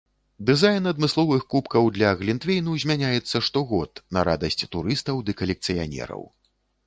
Дызайн адмысловых кубкаў для глінтвейну змяняецца штогод, на радасць турыстаў ды калекцыянераў.